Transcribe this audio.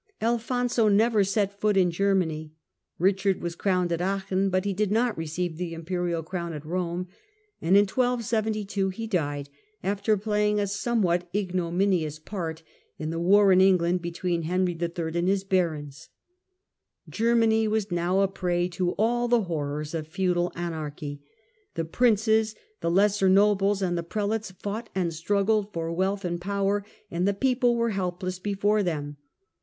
Alfonso never set foot in Germany. Eichard was crowned at Aachen, but he did not receive the imperial crown at Eome, and in 1272 he died, after playing a somewhat ignominious part in the war in England between Henry III. and his barons. Germany was now a prey to all the horrors of feudal anarchy. The princes, the lesser nobles and the prelates fought and struggled for wealth and power, and the people were helpless before them.